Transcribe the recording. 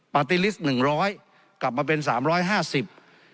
ปาร์ตี้ลิสต์หนึ่งร้อยกลับมาเป็นสามร้อยห้าสิบ